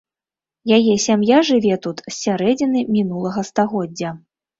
Яе сям'я жыве тут з сярэдзіны мінулага стагоддзя.